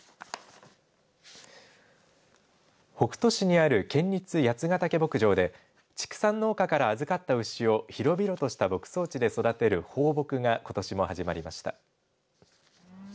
北杜市にある県立八ヶ岳牧場で畜産農家から預かった牛を広々とした牧草地で育てる放牧が、ことしも始まりました。